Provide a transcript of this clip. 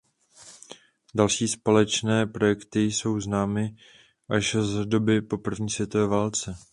Další společné projekty jsou známy až z doby po první světové válce.